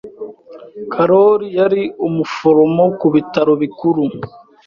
Karoli yari umuforomo ku bitaro bikuru.